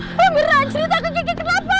mbak mirna ceritaku kiki kenapa